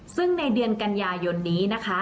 ซึ่งในเดือนกันยายนนี้นะคะ